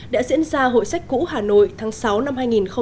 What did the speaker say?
đã diễn ra hội sách cũ hà nội tháng sáu năm hai nghìn một mươi bảy